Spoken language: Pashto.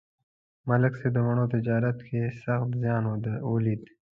ملک صاحب د مڼو تجارت کې سخت زیان ولید